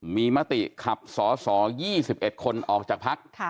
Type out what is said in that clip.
มีมติขับส๒๑คนออกจากที่พรรษ